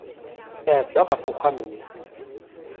Tɛedda ɣef uxxam-nni.